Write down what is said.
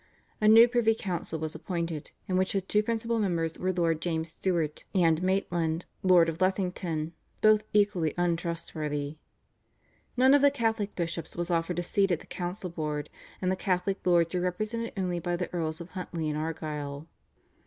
A new privy council was appointed, in which the two principal members were Lord James Stuart and Maitland, Lord of Lethington, both equally untrustworthy. None of the Catholic bishops was offered a seat at the council board, and the Catholic lords were represented only by the Earls of Huntly and Argyll.